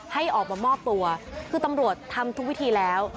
ให้ออกมามอบตัวคือตำรวจทำทุกวิธีแล้ว